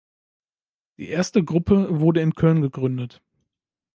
Die erste Gruppe wurde in Köln gegründet.